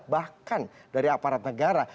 bahkan dari aparat negara